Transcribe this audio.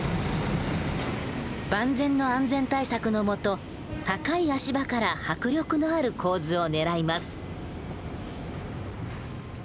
万全の安全対策のもと高い足場から迫力のある構図を狙います。